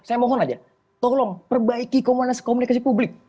saya mohon aja tolong perbaiki komunikasi publik